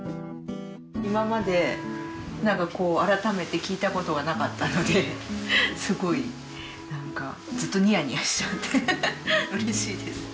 今までなんかこう改めて聞いた事はなかったのですごいずっとニヤニヤしちゃって嬉しいです。